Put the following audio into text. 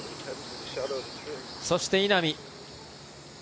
そして、稲見。